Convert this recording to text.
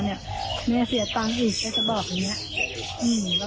มีเมื่อเสียตังค์อีกจะบอกแบบนี้